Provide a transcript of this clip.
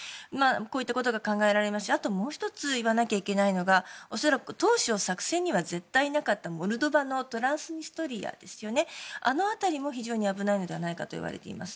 こういったことが考えられますしあともう１つ言わなきゃいけないのが恐らく、当初作戦には絶対なかったモルドバのあの辺りも非常に危ないのではないかといわれています。